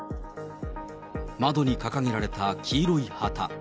窓に掲げられた黄色い旗。